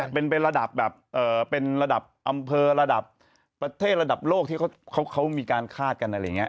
เป็นระดับแบบเป็นระดับอำเภอระดับประเทศระดับโลกที่เขามีการคาดกันอะไรอย่างนี้